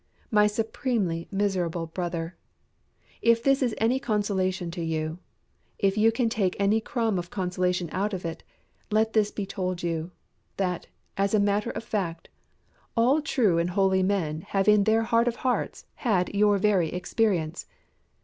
My supremely miserable brother! if this is any consolation to you, if you can take any crumb of consolation out of it, let this be told you, that, as a matter of fact, all truly holy men have in their heart of hearts had your very experience.